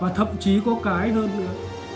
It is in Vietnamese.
và thậm chí có cái hơn nữa